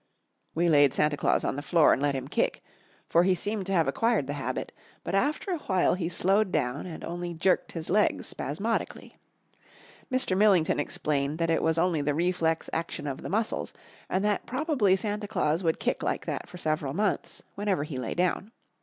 We laid Santa Claus on the floor and let him kick, for he seemed to have acquired the habit, but after awhile he slowed down and only jerked his legs spasmodically. Mr. Millington explained that it was only the reflex action of the muscles, and that probably Santa Claus would kick like that for several months, whenever he lay down.